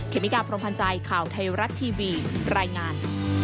เมกาพรมพันธ์ใจข่าวไทยรัฐทีวีรายงาน